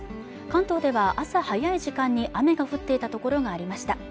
関東では朝早い時間に雨が降っていたところがありました